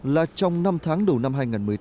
là trong năm tháng đầu năm hai nghìn một mươi tám